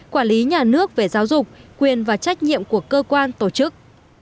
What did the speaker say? quản lý nhà nước về giáo dục quyền và trách nhiệm của cơ quan tổ chức